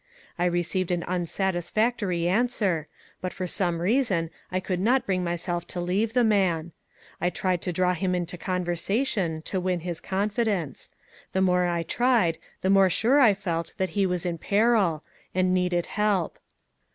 I received an unsatis factory answer, but for some reason I could not bring myself to leave the man. I tried to draw him into conversation, to win his confidence. The more I tried, the more sure I felt that he was in peril, and needed help.